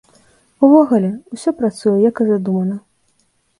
Увогуле, усё працуе, як і задумана.